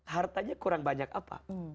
hartanya kurang banyak apa